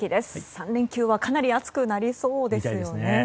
３連休はかなり暑くなりそうですね。